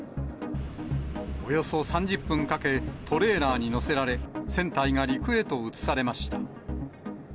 およそ３０分かけ、トレーラーに載せられ、船体が陸へと移されました。